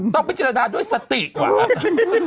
ต้องพิจารณาด้วยสติกว่ะ